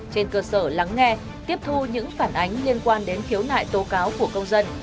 trên cơ sở lắng nghe tiếp thu những phản ánh liên quan đến khiếu nại tố cáo của công dân